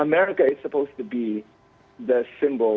amerika sepatutnya menjadi simbol